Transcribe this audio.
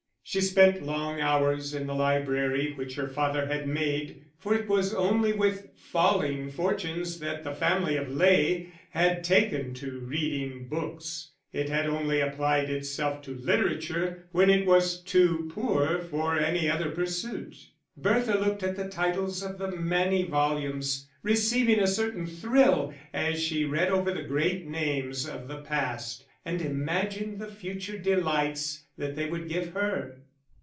She spent long hours in the library which her father had made, for it was only with falling fortunes that the family of Ley had taken to reading books; it had only applied itself to literature when it was too poor for any other pursuit. Bertha looked at the titles of the many volumes, receiving a certain thrill as she read over the great names of the past, and imagined the future delights that they would give her.